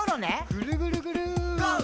ぐるぐるぐる。